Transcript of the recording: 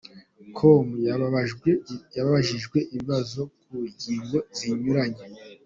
Com, yabajijwe ibibazo ku ngingo zinyuranye.